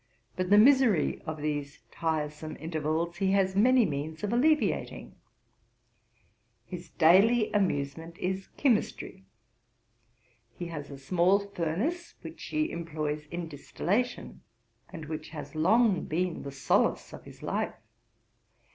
But the misery of these tiresome intervals he has many means of alleviating.... His daily amusement is chymistry. He has a small furnace which he employs in distillation, and which has long been the solace of his life.